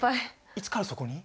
いつからそこに？